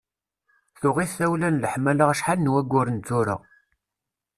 Tuɣ-it tawla n leḥmala acḥal n wagguren tura.